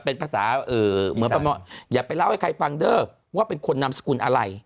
เป็นภาษาอย่าไปเล่าให้ใครฟังเด่อว่าเป็นคนนามสกุลอะไร